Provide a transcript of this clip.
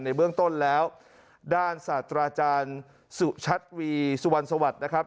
ในเบื้องต้นแล้วด้านสาธาราชาญสุชัตวีสุวรรณสวรรค์นะครับ